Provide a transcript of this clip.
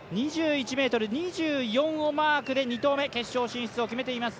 ２１ｍ２４をマークで２投目、決勝進出を決めています。